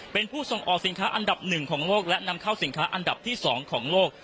เป็นผู้ส่งออกสินค้าอันดับหนึ่งของโลกและนำเข้าสินค้าอันดับที่๒ของโลก